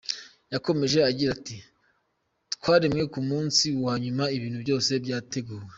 Yakomeje agira ati “Twaremwe ku munsi wa nyuma ibintu byose byateguwe.